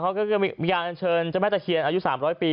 เขาก็จะมีการอันเชิญเจ้าแม่ตะเคียนอายุ๓๐๐ปี